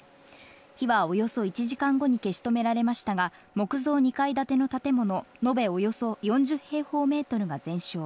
火はおよそ１時間後に消し止められましたが、木造２階建ての建物延べおよそ４０平方メートルが全焼。